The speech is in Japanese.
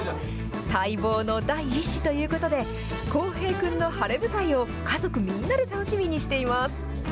待望の第１子ということで、航平くんの晴れ舞台を、家族みんなで楽しみにしています。